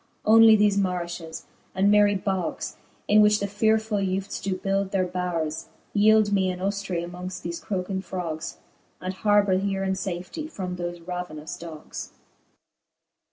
Onely thefe marifhes and myrie bogs, In which the fearefull ewftes do build their bowres, Yeeld me an hoftry mongft the croking frogs, And harbour here in fafety from thoie ravenous dogs.